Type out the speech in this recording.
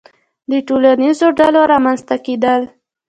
• د ټولنیزو ډلو رامنځته کېدل.